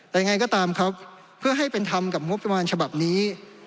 แต่ยังไงก็ตามครับเพื่อให้เป็นธรรมกับงบประมาณฉบับนี้